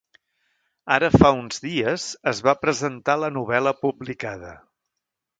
Ara fa uns dies es va presentar la novel·la publicada.